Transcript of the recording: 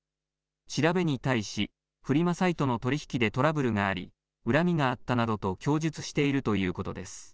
調べに対し、フリマサイトの取り引きでトラブルがあり、恨みがあったなどと供述しているということです。